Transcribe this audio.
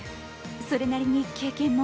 それなりに経験も。